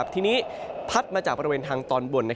ทีนี้พัดมาจากบริเวณทางตอนบน